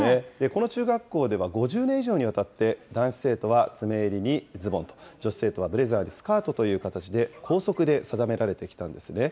この中学校では５０年以上にわたって、男子生徒は詰め襟にズボンと、女子生徒はブレザーにスカートという形で、校則で定められてきたんですね。